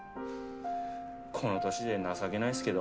この年で情けないですけど。